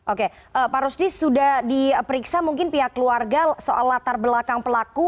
oke pak rusdi sudah diperiksa mungkin pihak keluarga soal latar belakang pelaku